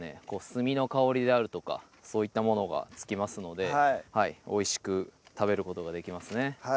炭の香りであるとかそういったものがつきますのではいおいしく食べることができますね